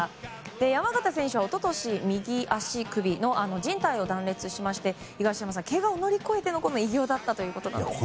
山縣選手は一昨年右足首のじん帯を断裂しまして東山さん、けがを乗り越えての偉業だったということです。